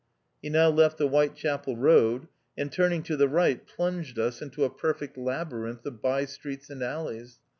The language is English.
He now left the "White chapel Eoad, and turning to the right, plunged us into a perfect labyrinth of bye streets and alleys.